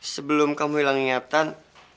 sebelum kamu hilang ingatan